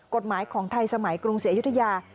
กฎหมายของไทยสมัยกรุงศรีอยุธยา